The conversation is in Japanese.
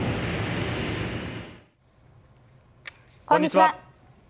こんにちは。